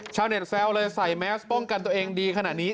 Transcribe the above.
ชาวเน็ตแซวเลยใส่แมสป้องกันตัวเองดีขนาดนี้